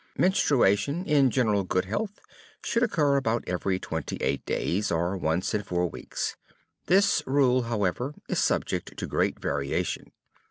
Menstruation, in general good health, should occur about every twenty eight days, or once in four weeks. This rule, however, is subject to great variation.